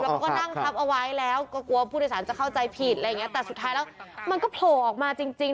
เขาก็นั่งทับเอาไว้แล้วก็กลัวผู้โดยสารจะเข้าใจผิดอะไรอย่างเงี้แต่สุดท้ายแล้วมันก็โผล่ออกมาจริงจริง